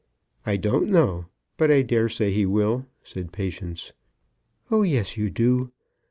"I don't know; but I dare say he will," said Patience. "Oh yes, you do.